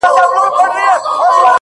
نن دي دواړي سترگي سرې په خاموشۍ كـي;